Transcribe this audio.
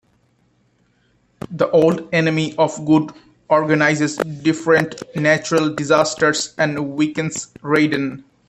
The old enemy of good organizes different natural disasters and weakens Raiden.